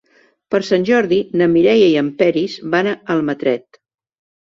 Per Sant Jordi na Mireia i en Peris van a Almatret.